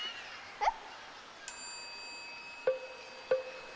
えっ？